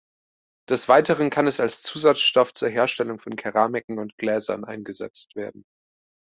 Des Weiteren kann es als Zusatzstoff zur Herstellung von Keramiken und Gläsern eingesetzt werden.